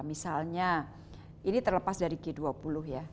misalnya ini terlepas dari g dua puluh ya